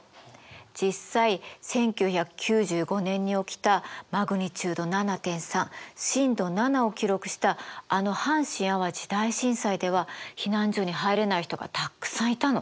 実際１９９５年に起きたマグニチュード７．３震度７を記録したあの阪神・淡路大震災では避難所に入れない人がたくさんいたの。